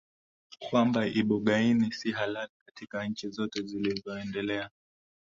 kwamba ibogaini si halali katika nchi zote zilizoendelea